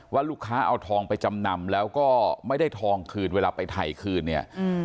ว่าลูกค้าเอาทองไปจำนำแล้วก็ไม่ได้ทองคืนเวลาไปถ่ายคืนเนี่ย